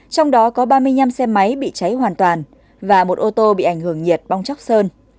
trong đó có ba mươi năm xe máy bị cháy hoàn toàn và một ô tô bị ảnh hưởng nhiệt bong chóc sơn